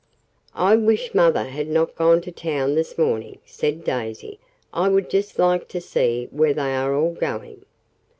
"I wish mother had not gone to town this morning," said Daisy. "I would just like to see where they are all going."